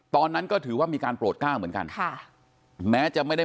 ตอนนั้นก็ถือว่ามีการโปรดก้าวเหมือนกันค่ะแม้จะไม่ได้